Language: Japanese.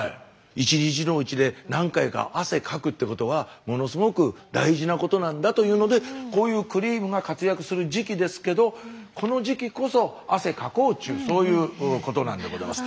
１日のうちで何回か汗かくってことはものすごく大事なことなんだというのでこういうクリームが活躍する時期ですけどこの時期こそ汗かこうっちゅうそういうことなんでございます。